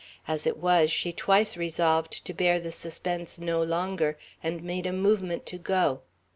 As it was, she twice resolved to bear the suspense no longer, and made a movement to go.